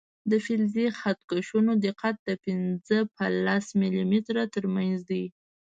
د فلزي خط کشونو دقت د پنځه په لس ملي متره تر منځ دی.